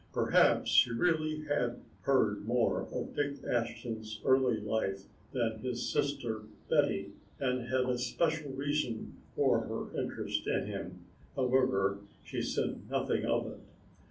Perhaps she really had heard more of Dick Ashton's early life than his sister Betty and had a special reason for her interest in him, however she said nothing of it.